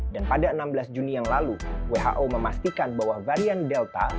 dan pada enam belas juni yang lalu who memastikan bahwa varian delta